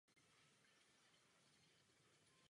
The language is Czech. V praxi jsou však jistá omezení.